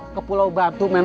ke pulau batu main